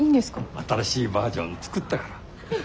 新しいバージョン作ったから。